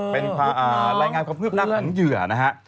เป็นรายงานความคืบหน้าของเหยื่อนะฮะ